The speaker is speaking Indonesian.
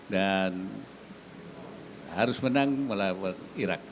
dan harus menang melawan irak